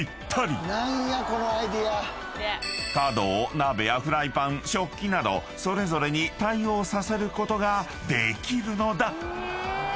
［角を鍋やフライパン食器などそれぞれに対応させることができるのだ］